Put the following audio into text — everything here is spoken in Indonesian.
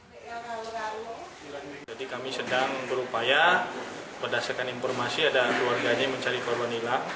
jadi kami sedang berupaya berdasarkan informasi ada keluarganya mencari korban hilang